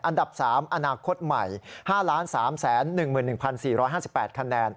อันดับ๓อนาคตใหม่๕๓๑๑๔๕๘คะแนน